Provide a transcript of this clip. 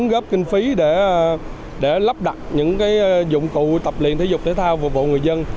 góp kinh phí để lắp đặt những dụng cụ tập luyện thể dục thể thao phục vụ người dân